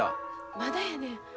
まだやねん。